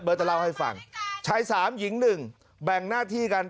จะเล่าให้ฟังชาย๓หญิง๑แบ่งหน้าที่กัน